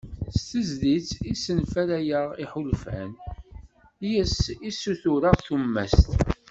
"S tezlit i d-senfalayeɣ iḥulfan, yis-s i ssutureɣ tumast."